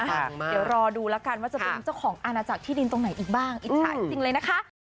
เดี๋ยวรอดูแล้วกันว่าจะเป็นเจ้าของอาณาจักรที่ดินตรงไหนอีกบ้างอิจฉาจริงเลยนะคะ